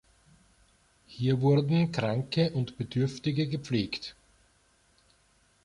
Hier wurden Kranke und Bedürftige gepflegt.